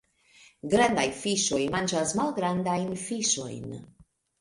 Grandaj fiŝoj manĝas malgrandajn fiŝojn.